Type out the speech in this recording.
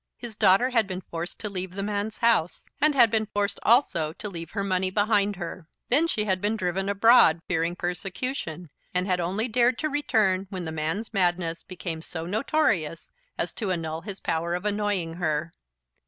His daughter had been forced to leave the man's house, and had been forced also to leave her money behind her. Then she had been driven abroad, fearing persecution, and had only dared to return when the man's madness became so notorious as to annul his power of annoying her.